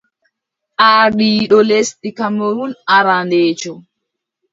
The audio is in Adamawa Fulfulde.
Ardiiɗo lesdi Kamerun arandeejo.